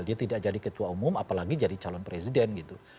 dia tidak jadi ketua umum apalagi jadi calon presiden gitu